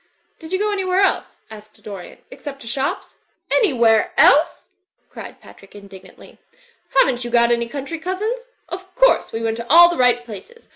"Did you go an3nvhere else/' asked Dorian, "except to shops?'' "Anywhere else!" cried Patrick, Indignantly, "haven't you got any country cousins? Of course we went to all the right places.